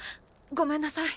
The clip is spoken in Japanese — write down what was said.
ごめんなさい。